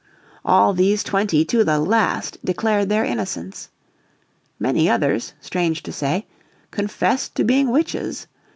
All these twenty to the last declared their innocence. Many others, strange to say, confessed to being witches.